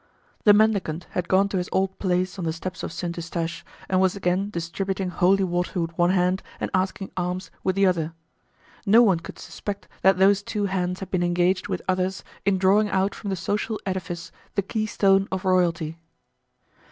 The mendicant had gone to his old place on the steps of Saint Eustache and was again distributing holy water with one hand and asking alms with the other. No one could suspect that those two hands had been engaged with others in drawing out from the social edifice the keystone of royalty.